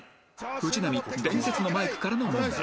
藤波伝説のマイクからの問題